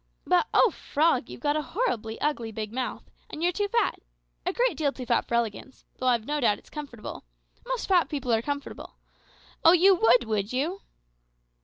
But, O frog, you've got a horribly ugly big mouth, and you're too fat a great deal too fat for elegance; though I have no doubt it's comfortable. Most fat people are comfortable. Oh! you would, would you?"